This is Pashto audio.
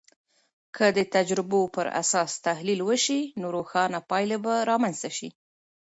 که د تجربو پراساس تحلیل وسي، نو روښانه پایلې به رامنځته سي.